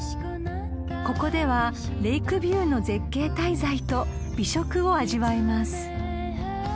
［ここではレイクビューの絶景滞在と美食を味わいます］